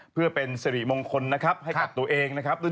เพื่อเป็นสิริมงคลนะครับให้กับตัวเองนะครับ